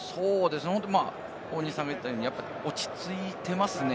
大西さんが言ったように、落ち着いていますね。